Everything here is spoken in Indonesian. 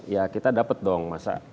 ya kita dapat dong